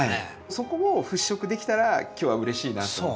そこを払拭できたら今日はうれしいなと思って。